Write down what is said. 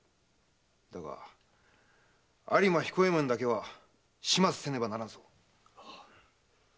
だが有馬彦右衛門だけは始末せねばならん。